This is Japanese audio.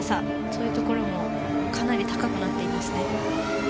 そういうところもかなり高くなっていますね。